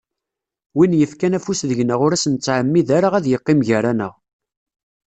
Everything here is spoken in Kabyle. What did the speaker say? Win yefkan afus deg-neɣ ur as-nettɛemmid ara ad yeqqim gar-aneɣ.